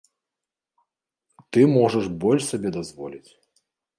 Ты можаш больш сабе дазволіць!